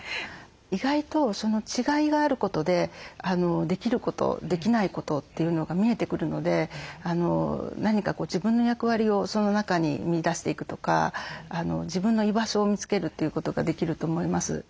意外と違いがあることでできることできないことというのが見えてくるので何か自分の役割をその中に見いだしていくとか自分の居場所を見つけるということができると思います。